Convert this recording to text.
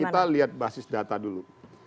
kita lihat basis data dulu